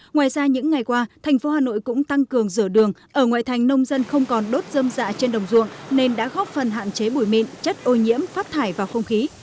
ngoài ra những ngày qua thành phố hà nội cũng tăng cường rửa đường ở ngoại thành nông dân không còn đốt dâm dạ trên đồng ruộng nên đã góp phần hạn chế bùi mịn chất ô nhiễm phát thải vào không khí